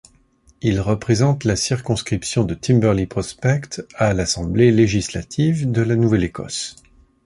Il représente la circonscription de Timberlea-Prospect à l'Assemblée législative de la Nouvelle-Écosse.